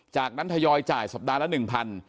จากนั้นทยอยจ่ายสัปดาห์ละ๑๐๐บาท